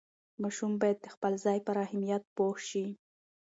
ماشوم باید د خپل ځای پر اهمیت پوه شي.